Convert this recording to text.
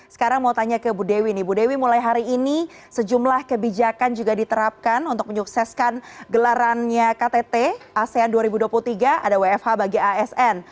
sekarang mau tanya ke bu dewi nih bu dewi mulai hari ini sejumlah kebijakan juga diterapkan untuk menyukseskan gelarannya ktt asean dua ribu dua puluh tiga ada wfh bagi asn